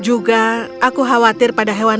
juga aku khawatir pada hewan